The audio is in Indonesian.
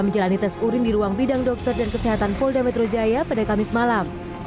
menjalani tes urin di ruang bidang dokter dan kesehatan polda metro jaya pada kamis malam